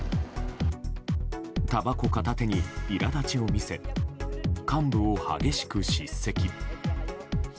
たばこ片手に苛立ちを見せ幹部を激しく叱責。